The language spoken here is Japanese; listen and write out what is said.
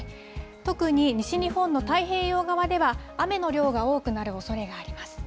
特に西日本の太平洋側では、雨の量が多くなるおそれがあります。